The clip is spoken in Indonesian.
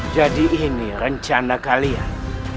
jadi ini rencana kalian